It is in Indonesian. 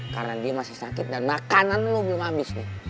karena dia masih sakit dan makanan lo belum habis nih